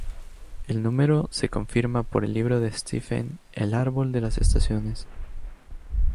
El número se confirma por el libro de Stephen El Árbol de las estaciones.